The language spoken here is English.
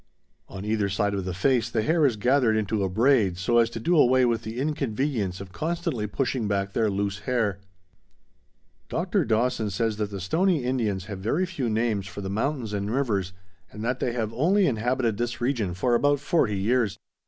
On either side of the face the hair is gathered into a braid so as to do away with the inconvenience of constantly pushing back their loose hair. Dr. Dawson says that the Stoney Indians have very few names for the mountains and rivers, and that they have only inhabited this region for about forty years.